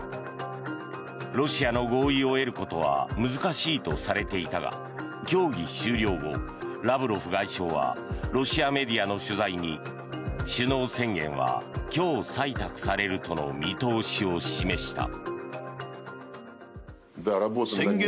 ロシアの合意を得ることは難しいとされていたが協議終了後、ラブロフ外相はロシアメディアの取材に首脳宣言は今日採択されるとの見通しを示した。